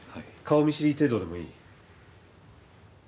顔見知り程度でもいい。